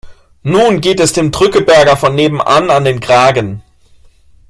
Nun geht es dem Drückeberger von nebenan an den Kragen.